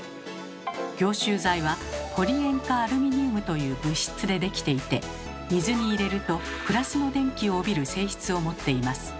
凝集剤は「ポリ塩化アルミニウム」という物質で出来ていて水に入れると＋の電気を帯びる性質を持っています。